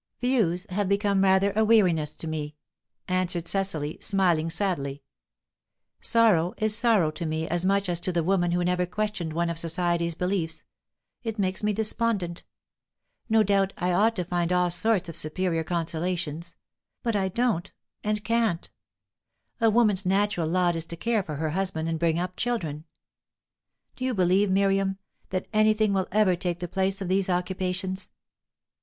"'Views' have become rather a weariness to me," answered Cecily, smiling sadly. "Sorrow is sorrow to me as much as to the woman who never questioned one of society's beliefs; it makes me despondent. No doubt I ought to find all sorts of superior consolations. But I don't and can't. A woman's natural lot is to care for her husband and bring up children. Do you believe, Miriam, that anything will ever take the place of these occupations?"